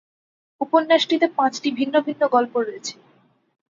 উপন্যাসটিতে পাঁচটি ভিন্ন ভিন্ন গল্প রয়েছে।